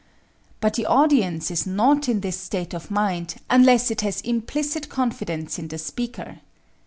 But the audience is not in this state of mind unless it has implicit confidence in the speaker.